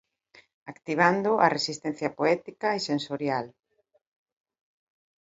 Activando a resistencia poética e sensorial.